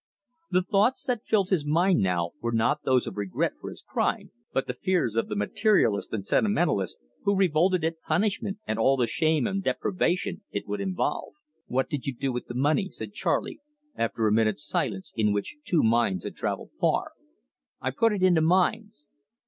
The thoughts that filled his mind now were not those of regret for his crime, but the fears of the materialist and sentimentalist, who revolted at punishment and all the shame and deprivation it would involve. "What did you do with the money?" said Charley, after a minute's silence, in which two minds had travelled far. "I put it into mines."